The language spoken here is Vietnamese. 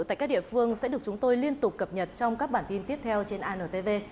tại các địa phương sẽ được chúng tôi liên tục cập nhật trong các bản tin tiếp theo trên antv